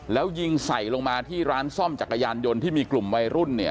แล้วยิงใส่ลงมาที่ร้านซ่อมจักรยานยนต์ที่มีกลุ่มวัยรุ่นเนี่ย